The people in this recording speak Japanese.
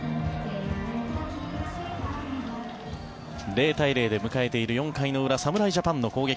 ０対０で迎えている４回の裏侍ジャパンの攻撃。